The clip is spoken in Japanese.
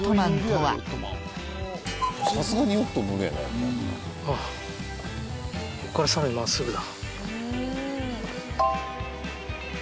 はぁここからさらに真っすぐだ。